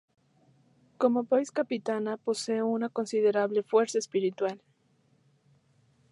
Como Vice-capitana posee una considerable fuerza espiritual.